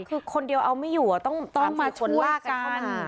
คือคนเดียวเอาไม่อยู่ต้องมาชนว่ากัน